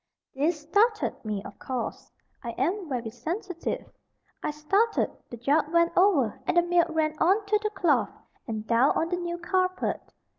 This startled me, of course. I am very sensitive. I started, the jug went over, and the milk ran on to the cloth, and down on the new carpet.